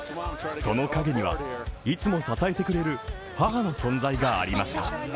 その陰には、いつも支えてくれる母の存在がありました。